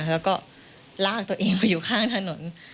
แล้วก็ลากตัวเองไปอยู่ข้างถนน